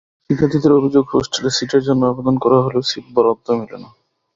শিক্ষার্থীদের অভিযোগ, হোস্টেলে সিটের জন্য আবেদন করা হলেও সিট বরাদ্দ মেলে না।